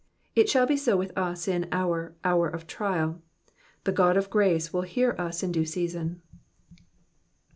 It shall be so with us in our hour of trial, the God of grace will hear us in due season.